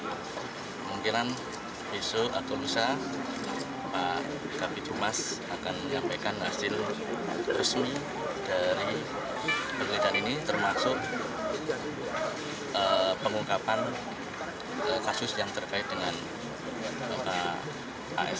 kemungkinan besok atau besok pak kapitul mas akan menyampaikan hasil resmi dari pergerakan ini termasuk pengungkapan kasus yang terkait dengan as sulaiman